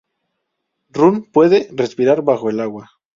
Run puede respirar bajo el agua.